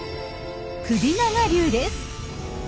首長竜です。